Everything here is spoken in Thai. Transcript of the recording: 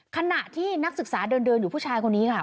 ขณะที่นักศึกษาเดินอยู่ผู้ชายคนนี้ค่ะ